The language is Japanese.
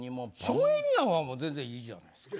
笑瓶兄やんは全然いいじゃないですか。